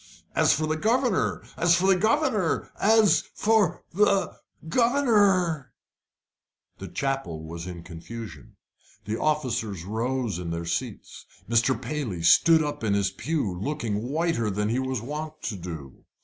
As for the governor as for the governor as for the governor " The chapel was in confusion. The officers rose in their seats. Mr. Paley stood up in his pew, looking whiter than he was wont to do.